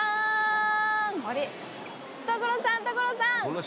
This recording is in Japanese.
所さん所さん！